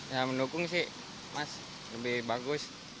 ya mendukung sih mas lebih bagus